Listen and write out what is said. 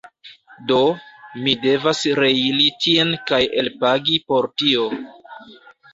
Do, mi devas reiri tien kaj elpagi por tio